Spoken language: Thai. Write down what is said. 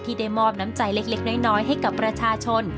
ได้มอบน้ำใจเล็กน้อยให้กับประชาชน